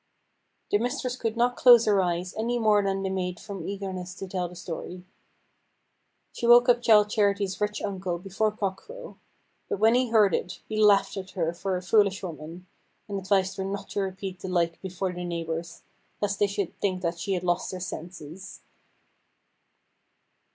The mistress could not close her eyes any more than the maid from eagerness to tell the story. She woke up Childe Charity's rich uncle before cock crow. But when he heard it, he laughed at her for a foolish woman, and advised her not to repeat the like before the neighbours, lest they should think she had lost her senses.